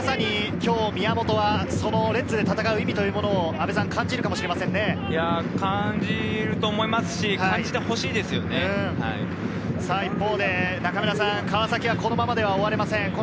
今日、宮本はレッズで戦う意味というものを感じるかもしれません感じると思いますし、一方で川崎はこのままでは終われません。